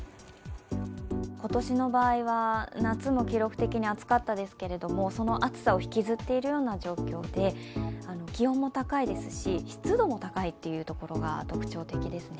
今年の場合は夏も記録的に暑かったですけれども、その暑さを引きずっているような状況で気温も高いですし湿度も高いというところが特徴的ですね。